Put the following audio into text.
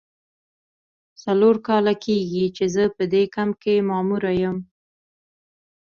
څلور کاله کیږي چې زه په دې کمپ کې ماموره یم.